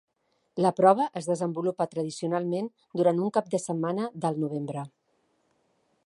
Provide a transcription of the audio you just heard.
La prova es desenvolupa tradicionalment durant un cap de setmana del novembre.